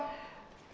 vậy có hay không